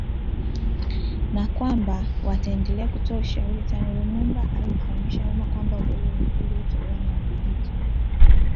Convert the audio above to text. na kwamba wataendelea kutoa ushauri Tano Lumumba aliufahamisha umma kwamba uhuru uliotolewa na Wabeljiji